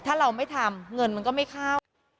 ถ้าเราไม่ทำเงินมันก็ไม่เข้า